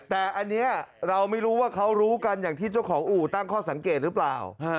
แต่อันนี้เราไม่รู้ว่าเขารู้กันอย่างที่เจ้าของอู่ตั้งข้อสังเกตหรือเปล่า